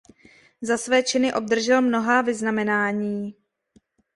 Za své činy obdržel mnohá vyznamenání.